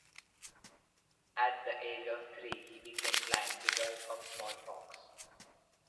At the age of three he became blind because of smallpox.